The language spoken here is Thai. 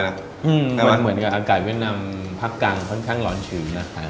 อืมมันเหมือนกับอากาศเวียดนำพักกังค่อนข้างร้อนชื้นนะคะ